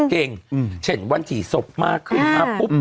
เก่งเช่นวันที่ศพมากขึ้นมาปุ๊บ